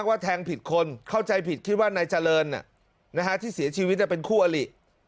ก็เรียกร้องให้ตำรวจดำเนอคดีให้ถึงที่สุดนะ